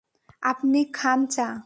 আপনি খান চা।